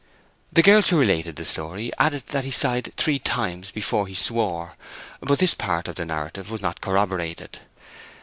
The girls who related the story added that he sighed three times before he swore, but this part of the narrative was not corroborated.